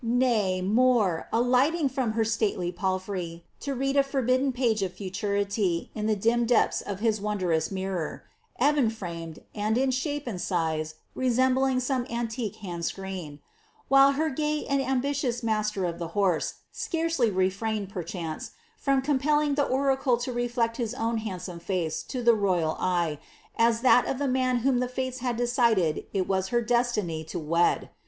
N«f, more, alighting from her atateiv palfrey, to read a forbiilden pafc <rf futurity in the dim depths of his wondrous mirror' — ebon fnuned, cod in shnpe and size resembling some antique hand screen — while her pw and ambitious master of ceiy Tefrained, perehanee, frooi compelling the oracle to reuec own nandsome face to ihe royal eye, as iliat of the man whom tht a bad decided it was her dcatiny to ' we<].